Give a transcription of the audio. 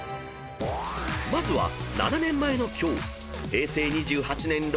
［まずは７年前の今日］